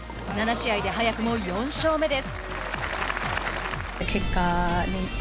７試合で早くも４勝目です。